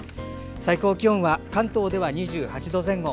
最高気温は関東では２８度前後。